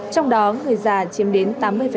trong đó người già chiếm đến tám mươi